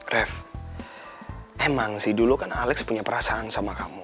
rev emang sih dulu kan alex punya perasaan sama kamu